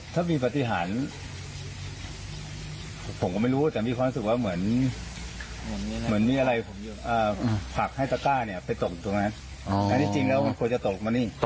ที่จริงแล้วมันควรจะตกมานี่